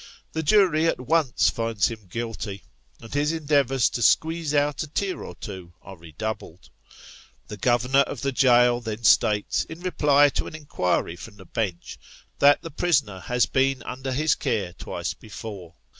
The jury at once find him " guilty," and his endeavours to squeeze out a tear or two are redoubled. The governor of the jail then states, in reply to an inquiry from the Bench, that the prisoner has been under his care twice before.